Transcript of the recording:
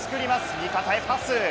味方へパス！